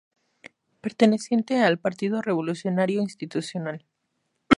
Perteneciente al Partido Revolucionario Institucional.